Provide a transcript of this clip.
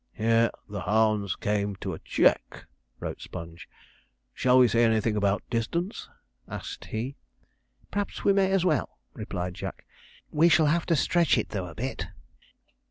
"' 'Here the hounds came to a check,' wrote Sponge. 'Shall we say anything about distance?' asked he. 'P'raps we may as well,' replied Jack. 'We shall have to stretch it though a bit.'